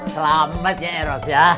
selamat ya eros ya